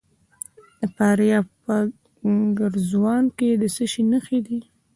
د فاریاب په ګرزوان کې د څه شي نښې دي؟